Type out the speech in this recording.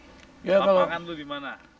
lampangan lu di mana